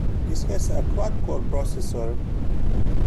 This has a quad-core processor.